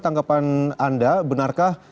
tanggapan anda benarkah